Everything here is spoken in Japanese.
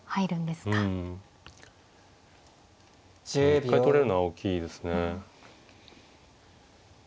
一回取れるのは大きいですね。